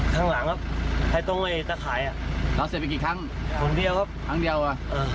ข้างหลังครับให้ตรงไอ่ไตล์ไขเดี๋ยวอ่ะ